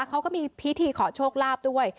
เขาก็มีพิธีขอโชคลาภด้วย